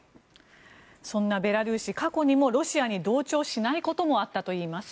そんなベラルーシ過去にもロシアに同調しないこともあったといいます。